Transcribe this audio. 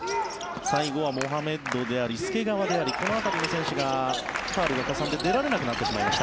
最後はモハメッドであり、介川でありこの辺りの選手がファウルがかさんで出られなくなってしまいました。